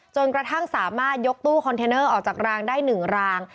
จนกระทั่งสามารถยกตู้คอนเทนเนอร์ออกจากรางได้๑ราง